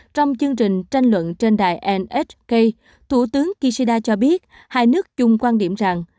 trong chương trình tranh luận trên đài nsk thủ tướng kishida cho biết hai nước chung quan điểm rằng